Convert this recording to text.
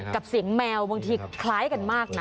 กับเสียงแมวบางทีคล้ายกันมากนะ